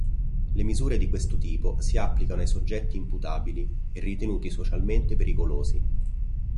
Le misure di questo tipo si applicano ai soggetti imputabili e ritenuti socialmente pericolosi.